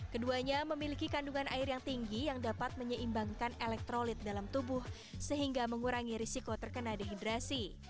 keduanya memiliki kandungan air yang tinggi yang dapat menyeimbangkan elektrolit dalam tubuh sehingga mengurangi risiko terkena dehidrasi